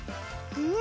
うん！